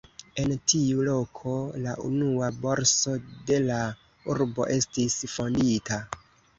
En tiu loko la unua borso de la urbo estis fondita.